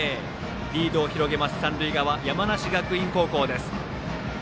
リードを広げます、三塁側山梨学院高校です。